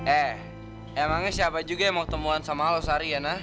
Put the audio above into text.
eh emangnya siapa juga yang mau temuan sama lo seharian ha